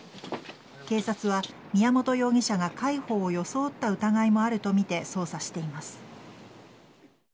警察は宮本容疑者が介抱を装った疑いもあるとみて捜査しています。